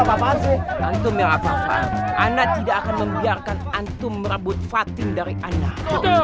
apaan sih itu merata rata anak tidak akan membiarkan antum rambut fatim dari anak